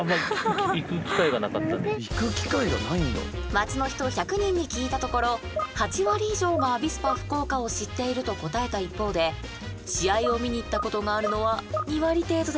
街の人１００人に聞いたところ８割以上がアビスパ福岡を知っていると答えた一方で試合を見に行ったことがあるのは２割程度でした。